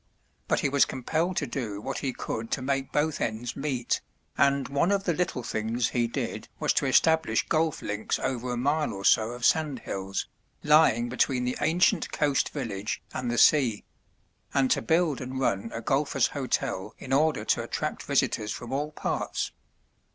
But he was compelled to do what he could to make both ends meet, and one of the little things he did was to establish golf links over a mile or so of sand hills, lying between the ancient coast village and the sea, and to build and run a Golfers' Hotel in order to attract visitors from all parts.